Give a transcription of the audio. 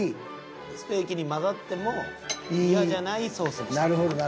ステーキに混ざっても嫌じゃないソースにしてるんやな。